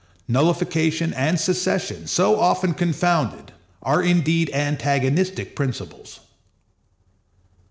Nullification and secession, so often confounded, are indeed antagonistic principles.